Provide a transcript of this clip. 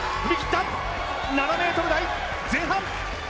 ７ｍ台前半。